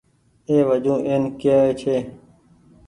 اي وجون اين ڪيوي ڇي